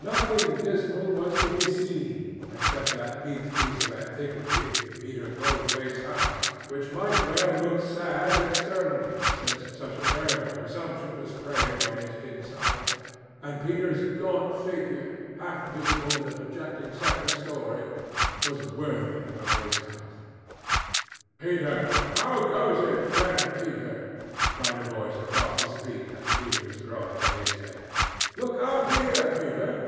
Nothing dismal was to be seen except that peaked piece of antiquity Peter Goldthwaite's house, which might well look sad externally, since such a terrible consumption was preying on its insides. And Peter's gaunt figure, half visible in the projecting second story, was worthy of his house. "Peter! How goes it, friend Peter?" cried a voice across the street as Peter was drawing in his head. "Look out here, Peter!"